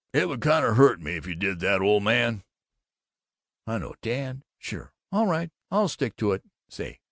It would kind of hurt me if you did that, old man!" "I know, Dad! Sure! All right. I'll stick to it. Say!